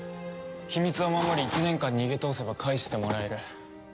秘密を守り一年間逃げ通せば返してもらえる。